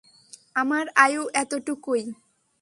আমার আয়ু এতোটুকুই।